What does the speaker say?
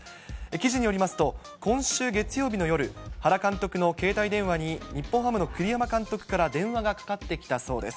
記事によりますと、今週月曜日の夜、原監督の携帯電話に、日本ハムの栗山監督から電話がかかってきたそうです。